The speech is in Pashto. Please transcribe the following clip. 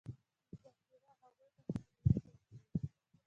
مذاکره هغوی ته مشروعیت ورکوي.